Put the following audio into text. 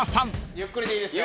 ゆっくりでいいですよ。